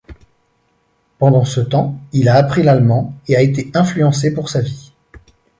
Pendant ce temps, il a appris l'allemand et a été influencé pour sa vie.